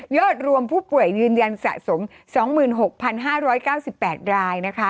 อดรวมผู้ป่วยยืนยันสะสม๒๖๕๙๘รายนะคะ